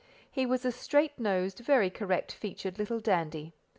He was a straight nosed, very correct featured little dandy.